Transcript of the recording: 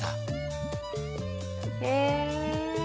へえ。